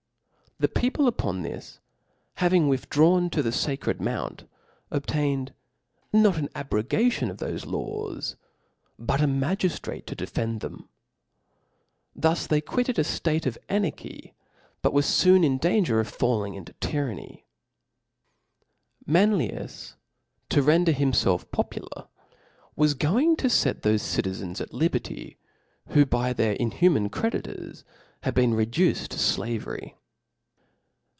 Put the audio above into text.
The people upon this having withdrawn to the Sacred Mount, obtained no(. zfk^ abrogatk>n of thqfe laws, but a magiftrate to defend them. Thus they quitted a date or anai^hy, but were foon in danger of falling under tyranny, Manlius, to ren der himfelf popular, was going to fee thefb ckizens, (0 ?ht' at liberty, who by their inhuman creditors O had oTfuhm ^^^ reduced to Qavery.